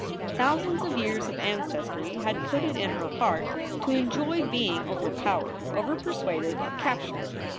Thousands of years of ancestry had put it in her heart to enjoy being overpowered, overpersuaded, captured.